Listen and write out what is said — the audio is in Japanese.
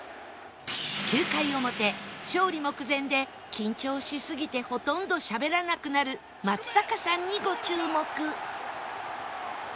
９回表勝利目前で緊張しすぎてほとんどしゃべらなくなる松坂さんにご注目